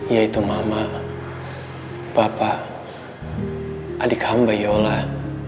yaitu mama bapak adik hamba ya allah